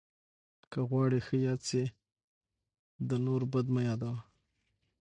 که غواړې ښه یاد سې، د نور بد مه یاد وه.